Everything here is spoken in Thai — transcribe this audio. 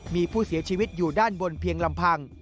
มีผู้เสียชีวิตอยู่ด้านบนเพียงลำพัง